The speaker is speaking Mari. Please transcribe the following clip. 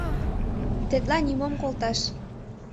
Тетла нигӧм колташ.